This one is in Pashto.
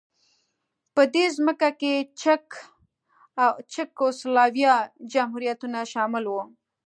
په دې ځمکو کې چک او سلواکیا جمهوریتونه شامل وو.